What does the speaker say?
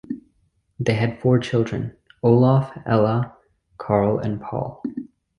They had four children: Olaf, Ella, Karl and Paul.